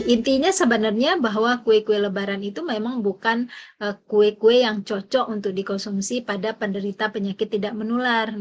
intinya sebenarnya bahwa kue kue lebaran itu memang bukan kue kue yang cocok untuk dikonsumsi pada penderita penyakit tidak menular